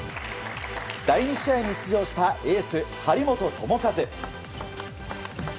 第２試合に出場したエース、張本智和。